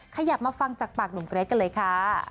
ขยับมาฟังจากปากหนุ่มเกรทกันเลยค่ะ